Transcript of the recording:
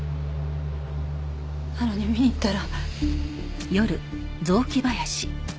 なのに見に行ったら。